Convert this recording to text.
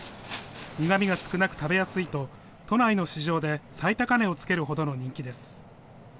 苦みが少なく食べやすいと都内の市場で最高値をつけるほどの人気です。